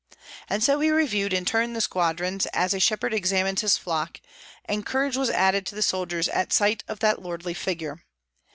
And so he reviewed in turn the squadrons, as a shepherd examines his flock, and courage was added to the soldiers at sight of that lordly figure.